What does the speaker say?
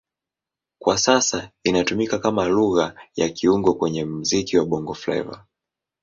Kwa sasa inatumika kama Lugha ya kiungo kwenye muziki wa Bongo Flava.